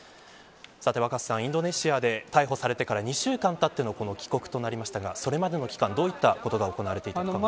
若狭さん、インドネシアで逮捕されてから２週間たってのこの帰国となりましたがそれまでの期間どういったことが行われていたんですか。